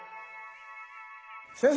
先生